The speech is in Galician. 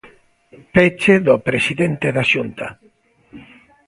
Peche do presidente da Xunta.